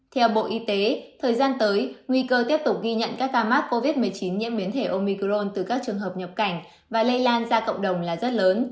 theo bộ y tế thời gian tới nguy cơ tiếp tục ghi nhận các ca mắc covid một mươi chín nhiễm biến thể omicron từ các trường hợp nhập cảnh và lây lan ra cộng đồng là rất lớn